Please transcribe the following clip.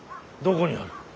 どこにある。